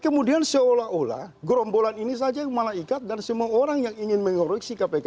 kemudian seolah olah gerombolan ini saja yang malah ikat dan semua orang yang ingin mengoreksi kpk